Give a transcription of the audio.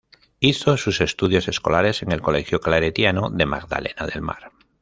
Hizo sus estudios escolares en el Colegio Claretiano de Magdalena del Mar.